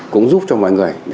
cũng giúp cho mọi người